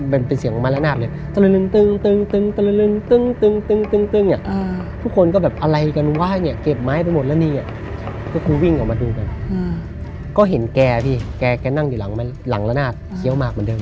เป็นเสียงละนาดเลย